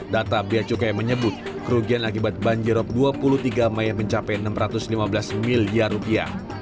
data bia cukai menyebut kerugian akibat banjirop dua puluh tiga mei mencapai enam ratus lima belas miliar rupiah